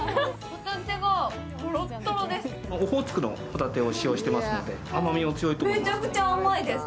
オホーツクのほたてを使用してますので、甘みがあると思います。